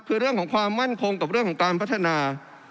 คือเรื่องของความมั่นคงกับเรื่องของการพัฒนา